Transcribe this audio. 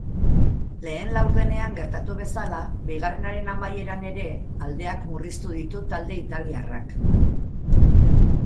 Lehen laurdenean gertatu bezala, bigarrenaren amaieran ere aldeak murriztu ditu talde italiarrak.